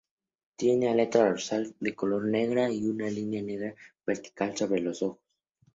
Tiene aleta dorsal de color negra y una línea negra vertical sobre los ojos.